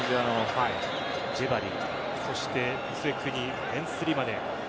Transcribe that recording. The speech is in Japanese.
ジェバリ、そしてムセクニベンスリマネ。